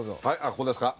ここですか。